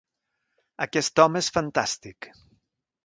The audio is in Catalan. Aquest home és fantàstic!